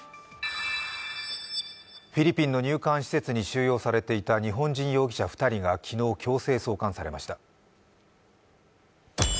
フィリピンの入管施設に収容されていた日本人２人が昨日、強制送還されました。